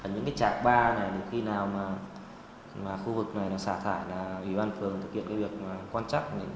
những cái trạm ba này khi nào mà khu vực này xả thải là ủy ban phường thực hiện cái việc quan chắc